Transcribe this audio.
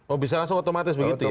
oh bisa langsung otomatis begitu ya